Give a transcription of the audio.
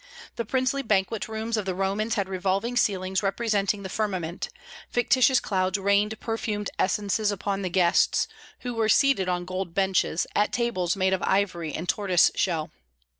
The princely banquet rooms of the Romans had revolving ceilings representing the firmament; fictitious clouds rained perfumed essences upon the guests, who were seated on gold benches, at tables made of ivory and tortoise shell.